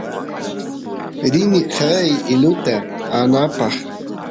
rini qeey iluta aanapaq